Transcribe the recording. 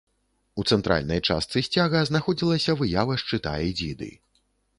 У цэнтральнай частцы сцяга знаходзілася выява шчыта і дзіды.